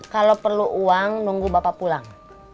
kalau perlu uang nunggu bapak pulang